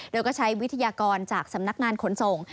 โดยก็ใช้วิทยากรจากสำนักงานขนส่ง